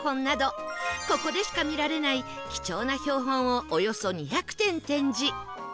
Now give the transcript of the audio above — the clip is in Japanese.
ここでしか見られない貴重な標本をおよそ２００点展示